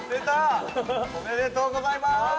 おめでとうございます！